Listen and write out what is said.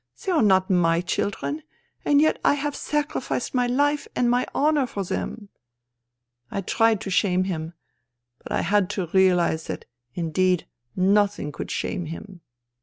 They are not my children, and yet I have sacrificed my life and my honour for them.* " I tried to shame him, but I had to realize that indeed nothing could shame him.